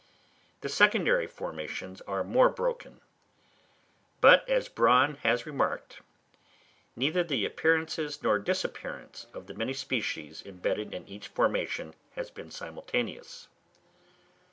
The secondary formations are more broken; but, as Bronn has remarked, neither the appearance nor disappearance of the many species embedded in each formation has been simultaneous.